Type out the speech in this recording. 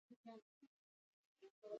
چیني شرکتونه په ټوله نړۍ کې فعال دي.